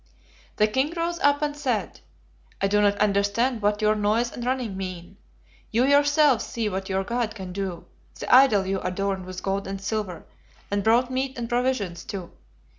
"The king rose up and said, 'I do not understand what your noise and running mean. You yourselves see what your God can do, the idol you adorned with gold and silver, and brought meat and provisions to.